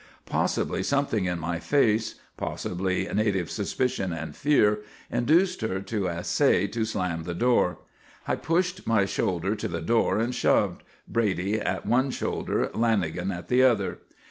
Possibly something in my face, possibly native suspicion and fear, induced her to essay to slam the door. I pushed my shoulder to the door and shoved, Brady at one shoulder, Lanagan at the other.